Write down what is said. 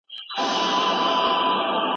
استاد وویل چي د مقالي لیکل د شاګرد کار دی.